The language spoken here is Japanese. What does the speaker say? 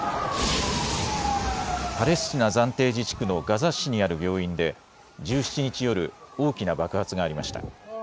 パレスチナ暫定自治区のガザ市にある病院で１７日夜、大きな爆発がありました。